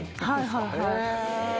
はいはいはい。